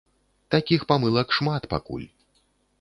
Такіх памылак шмат пакуль.